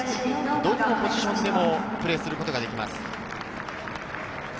どのポジションでもプレーすることができます。